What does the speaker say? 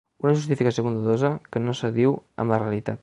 Una justificació bondadosa que no s’adiu amb la realitat.